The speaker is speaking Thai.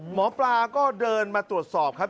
หมอปลาก็เดินมาตรวจสอบครับ